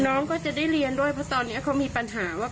น้องก็จะได้เรียนด้วยเพราะตอนนี้เขามีปัญหาว่า